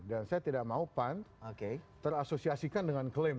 dan saya tidak mau pan terasosiasikan dengan klaim